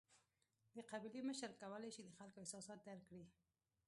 د قبیلې مشر کولای شي د خلکو احساسات درک کړي.